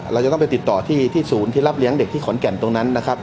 เราจะต้องไปติดต่อที่ศูนย์ที่รับเลี้ยงเด็กที่ขอนแก่นตรงนั้นนะครับ